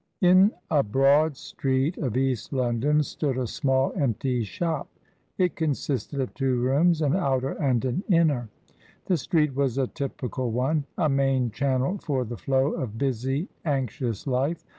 In a broad street of East London stood a small empty shop ; it consisted of two rooms, an outer and an inner. The street was a typical one — z. main channel for the flow of busy, anxious life.